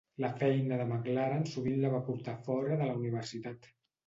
La feina de McLaren sovint la va portar fora de la Universitat.